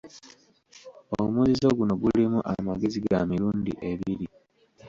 Omuzizo guno gulimu amagezi ga mirundi ebiri.